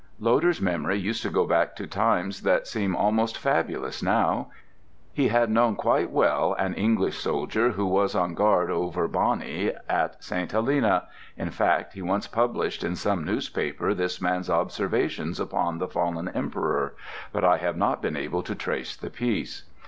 Loder's memory used to go back to times that seem almost fabulous now. He had known quite well an English soldier who was on guard over Boney at St. Helena—in fact, he once published in some newspaper this man's observations upon the fallen emperor, but I have not been able to trace the piece.